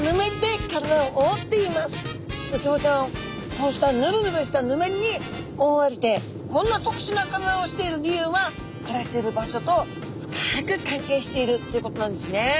ウツボちゃんはこうしたヌルヌルしたヌメリに覆われてこんな特殊な体をしている理由は暮らしている場所と深く関係しているということなんですね。